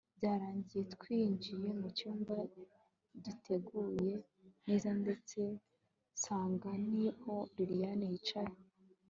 byaragiye twinjiye mucyumba giteguye neza ndebye nsanga niho liliane yicaye